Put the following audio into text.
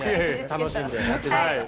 楽しんでやってください。